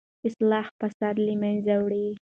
اصلاح فساد له منځه وړي.